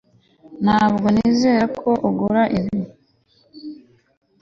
ntabwo nizera ko ugura ibi